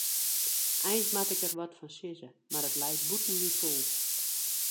Eins moat ik der wat fan sizze, mar it leit bûten myn foech.